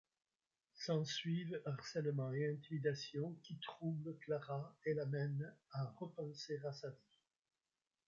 S'ensuivent harcèlement et intimidation qui troublent Clara et l'amènent à repenser à sa vie.